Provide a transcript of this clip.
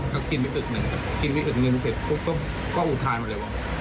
ก็กินไปตึกหนึ่งครับกินไปตึกหนึ่งเสร็จปุ๊บก็อุทานมาเลยว่า